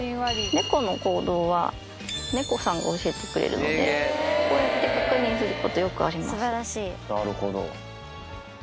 猫の行動は、猫さんが教えてくれるので、こうやって確認すること、よくあなるほど。